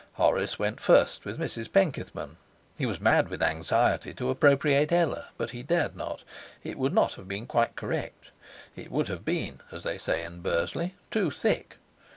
Horace went first with Mrs Penkethman. He was mad with anxiety to appropriate Ella, but he dared not. It would not have been quite correct; it would have been, as they say in Bursley, too thick.